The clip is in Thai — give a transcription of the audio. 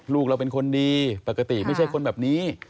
ลูกเราเป็นคนดีปกติไม่ใช่คนแบบนี้